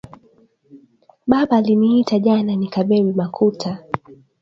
Baba ari nita jana nika bebe makuta